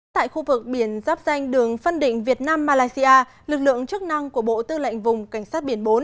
tại khu vực biển giáp danh đường phân định việt nam malaysia lực lượng chức năng của bộ tư lệnh vùng cảnh sát biển bốn